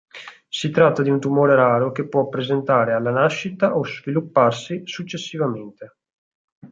Si tratta di un tumore raro che può presentare alla nascita o svilupparsi successivamente.